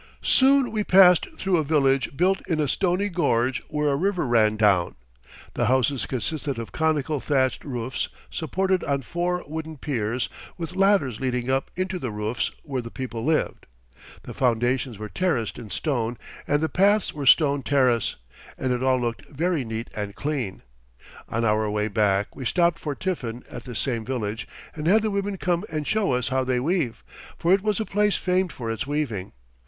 Soon we passed through a village built in a stony gorge where a river ran down. The houses consisted of conical thatched roofs supported on four wooden piers with ladders leading up into the roofs where the people lived. The foundations were terraced in stone and the paths were stone terrace, and it all looked very neat and clean. On our way back we stopped for tiffin at this same village and had the women come and show us how they weave, for it was a place famed for its weaving.